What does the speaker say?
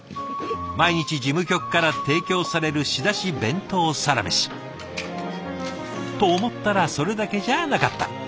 毎日事務局から提供される仕出し弁当サラメシ。と思ったらそれだけじゃなかった。